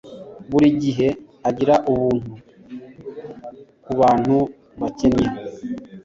buri gihe agira ubuntu kubantu bakennye